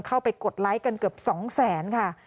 เข้าไปกดไลค์กันเกือบ๒แสนค่ะ